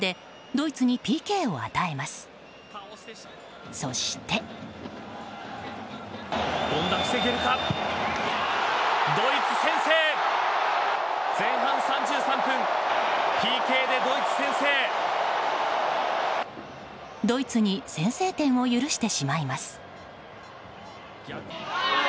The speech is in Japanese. ドイツに先制点を許してしまいます。